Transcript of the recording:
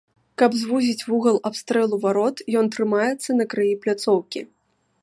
Каб звузіць вугал абстрэлу варот, ён трымаецца на краі пляцоўкі.